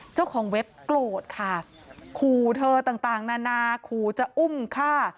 เจ้าของเว็บโกรธค่ะคู่เธอต่างต่างนานาคู่จะอุ้มฆ่า